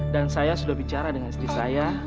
dan saya sudah bicara dengan istri saya